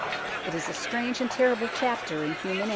It is a strange and terrible chapter in human error.